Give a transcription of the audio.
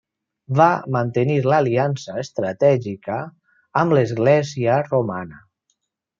Va mantenir l'aliança estratègica amb l'església romana.